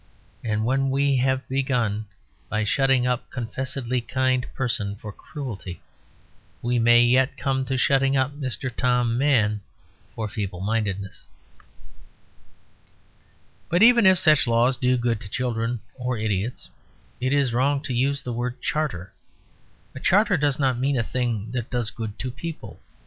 And when we have begun by shutting up a confessedly kind person for cruelty, we may yet come to shutting up Mr. Tom Mann for feeblemindedness. But even if such laws do good to children or idiots, it is wrong to use the word "charter." A charter does not mean a thing that does good to people.